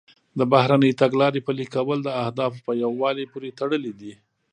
د بهرنۍ تګلارې پلي کول د اهدافو په یووالي پورې تړلي دي